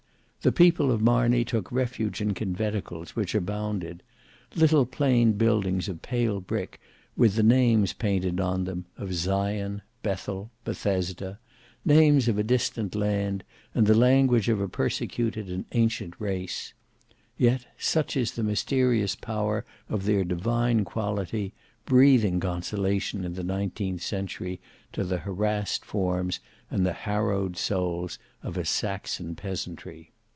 The people of Marney took refuge in conventicles, which abounded; little plain buildings of pale brick with the names painted on them, of Sion, Bethel, Bethesda: names of a distant land, and the language of a persecuted and ancient race: yet, such is the mysterious power of their divine quality, breathing consolation in the nineteenth century to the harassed forms and the harrowed souls of a Saxon peasantry.